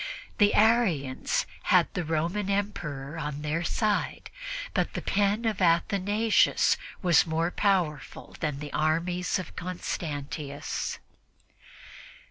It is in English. The Arians had the Roman Emperor on their side, but the pen of Athanasius was more powerful than the armies of Constantius.